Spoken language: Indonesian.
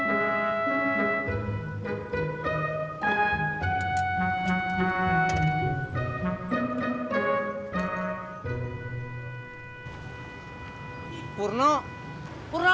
sampai jumpa di video selanjutnya